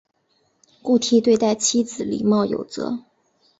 顾悌对待妻子礼貌有则。